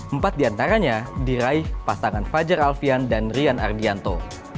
empat diantaranya diraih pasangan fajar alfian dan rian ardianto